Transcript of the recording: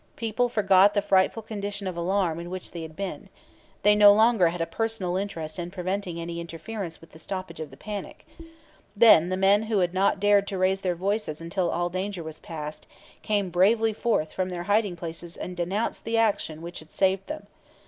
People forgot the frightful condition of alarm in which they had been. They no longer had a personal interest in preventing any interference with the stoppage of the panic. Then the men who had not dared to raise their voices until all danger was past came bravely forth from their hiding places and denounced the action which had saved them.